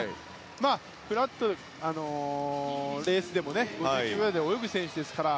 フラットなレースでも５９秒台で泳ぐ選手ですから。